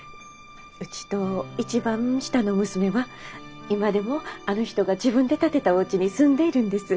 うちと一番下の娘は今でもあの人が自分で建てたおうちに住んでいるんです。